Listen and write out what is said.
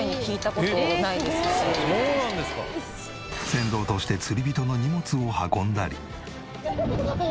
船頭として釣り人の荷物を運んだり。